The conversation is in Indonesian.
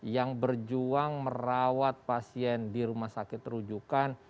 yang berjuang merawat pasien di rumah sakit rujukan